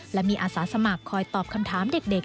และมีอาสาสมัครคอยตอบคำถามเด็ก